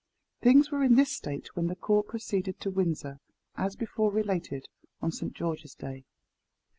Things were in this state when the court proceeded to Windsor, as before related, on Saint George's day.